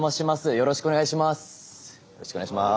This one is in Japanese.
よろしくお願いします。